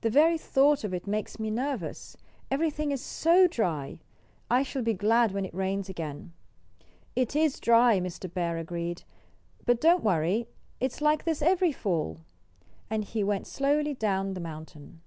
The very thought of it makes me nervous. Everything's so dry! I shall be glad when it rains again." "It is dry," Mr. Bear agreed. "But don't worry. It's like this every fall." And he went slowly down the mountain.